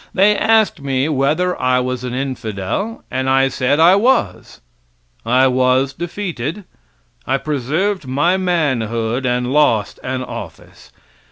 They asked me whether I was an infidel, and I said I was! I was defeated. I preserved my manhood and lost an office.